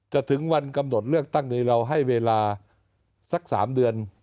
ถึงวันกำหนดเลือกตั้งนี้เราให้เวลาสัก๓เดือน